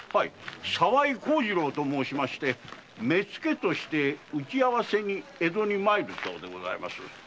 沢井幸次郎と申しまして目付として打ち合わせに江戸に参るそうでございます。